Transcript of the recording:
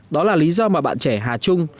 đó là lý do mà bạn trẻ hà trung